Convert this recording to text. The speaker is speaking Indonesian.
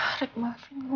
aduh rekomendasi kekasihnya